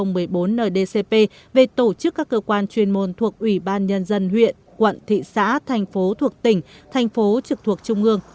nghị định ba bảy hai nghìn một mươi bốn ndcp về tổ chức các cơ quan chuyên môn thuộc ủy ban nhân dân huyện quận thị xã thành phố thuộc tỉnh thành phố trực thuộc trung ương